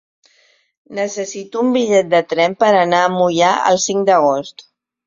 Necessito un bitllet de tren per anar a Moià el cinc d'agost.